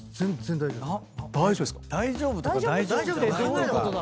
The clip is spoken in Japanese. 大丈夫とか大丈夫じゃないとか。